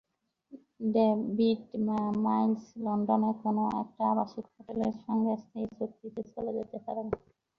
David Miles লন্ডনে কোনো একটা আবাসিক হোটেলের সঙ্গে স্থায়ী চুক্তিতে চলে যেতে পারেন।